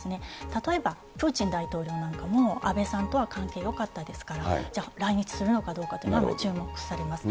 例えば、プーチン大統領なんかも安倍さんとは関係よかったですから、じゃあ来日するのかというというのも注目されます。